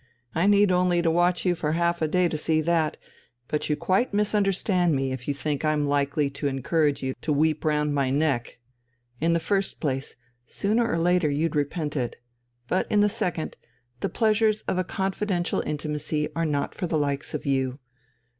I need only watch you for half a day to see that, but you quite misunderstand me if you think I'm likely to encourage you to weep round my neck. In the first place, sooner or later you'd repent it. But in the second, the pleasures of a confidential intimacy are not for the likes of you.